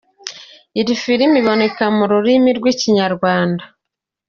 Iyi filimi iboneka no mu rurimi rw'ikinyarwanda.